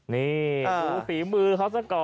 นี่สูตรฝีมือเขาสก่อ